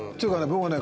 僕はね